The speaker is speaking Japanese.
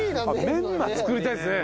メンマ作りたいですね。